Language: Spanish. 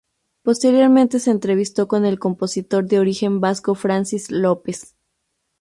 Posteriormente se entrevistó con el compositor de origen vasco Francis Lopez.